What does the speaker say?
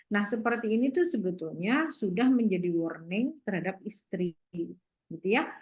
nah seperti ini sebetulnya sudah menjadi warning terhadap istri